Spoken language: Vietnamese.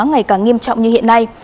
ngày càng nghiêm trọng như hiện nay